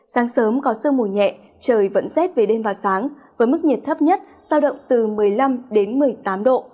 sáng sớm có sơ mù nhẹ trời vẫn rét về đêm và sáng với mức nhiệt thấp nhất giao động từ một mươi năm đến một mươi tám độ